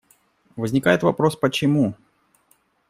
Возникает вопрос, почему?